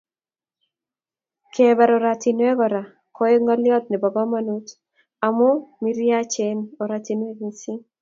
Kebara oratinwek Kora koek ngolyot nebo komonut amu marichen oratinwek missing